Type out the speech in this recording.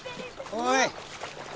・おい。